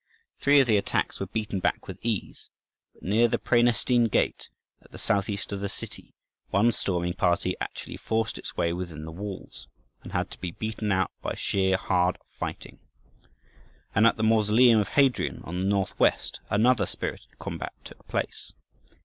Three of the attacks were beaten back with ease; but near the Prænestine Gate, at the south east of the city, one storming party actually forced its way within the walls, and had to be beaten out by sheer hard fighting; and at the mausoleum of Hadrian, on the north west, another spirited combat took place.